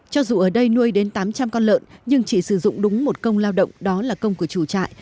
cho dù ở đây nuôi đến tám trăm linh con lợn nhưng chỉ sử dụng đúng một công lao động đó là công của chủ trại